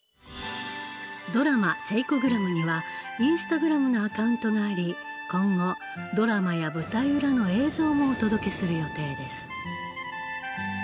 ドラマ「セイコグラム」にはインスタグラムのアカウントがあり今後ドラマや舞台裏の映像もお届けする予定です。